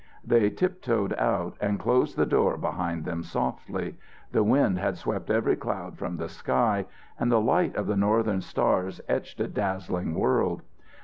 They tiptoed out and closed the door behind them softly. The wind had swept every cloud from the sky and the light of the northern stars etched a dazzling world.